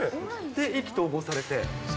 で、意気投合されて？